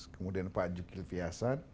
kemudian pak juki fiasan